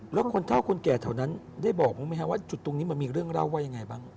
แล้วคนเท่าคนแก่แถวนั้นได้บอกบ้างไหมครับว่าจุดตรงนี้มันมีเรื่องเล่าว่ายังไงบ้าง